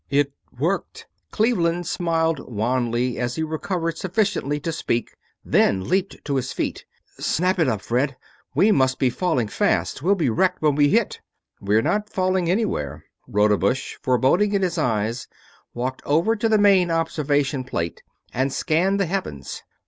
"It worked," Cleveland smiled wanly as he recovered sufficiently to speak, then leaped to his feet. "Snap it up, Fred! We must be falling fast we'll be wrecked when we hit!" "We're not falling anywhere." Rodebush, foreboding in his eyes, walked over to the main observation plate and scanned the heavens.